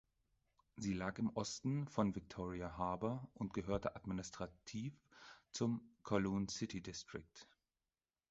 Sie lag im Osten von Victoria Harbour und gehörte administrativ zum Kowloon City District.